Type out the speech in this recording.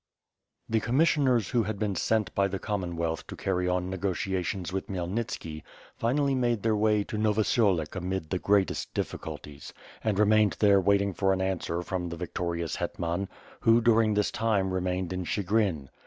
The commissioners who had been sent by the Common wealth to carry on negotiations with Khmyelnitski, finally made their way to Novosiolek amid the greatest difficulties; and remained there waiting for an answer from the victorious hetman, who during this time remained in Chigrin.